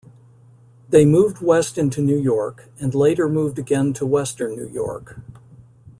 They moved west into New York, and later moved again to western New York.